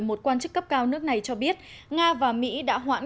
một quan chức cấp cao nước này cho biết nga và mỹ đã hoãn